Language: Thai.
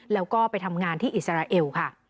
แล้วก็ไปทำงานที่อิสราเอลค่ะ